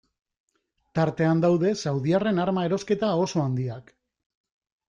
Tartean daude saudiarren arma erosketa oso handiak.